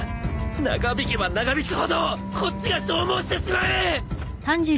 長引けば長引くほどこっちが消耗してしまう！